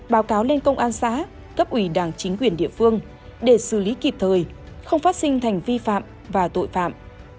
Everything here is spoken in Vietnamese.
báo cáo lên công an xã cấp ủy đảng chính quyền địa phương để xử lý kịp thời không phát sinh thành vi phạm và tội phạm